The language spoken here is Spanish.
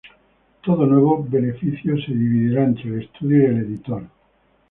Todo nuevo beneficio se dividirá entre el estudio y el editor.